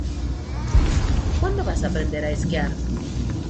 ¿Cuándo vas aprender a esquiar?